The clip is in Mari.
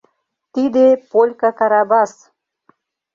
Тиде полька Карабас.